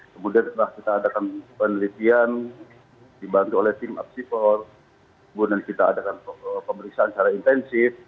kemudian setelah kita adakan penelitian dibantu oleh tim apsifor kemudian kita adakan pemeriksaan secara intensif